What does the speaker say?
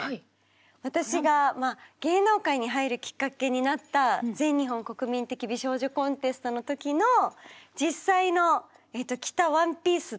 私が芸能界に入るきっかけになった全日本国民的美少女コンテストの時の実際の着たワンピースと。